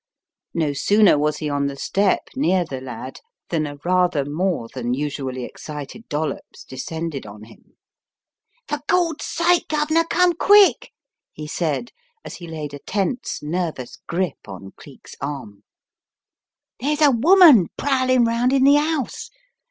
No sooner was he on the step near the lad than a rather more than usually excited Dollops descended on him. "For Gawd's sake, Guv'nor, come quick," he said as he laid a tense, nervous grip on Geek's arm. 206 The Riddle of the Purple Emperor " There's a woman prowling round in the 'ouse.